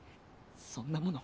そんなもの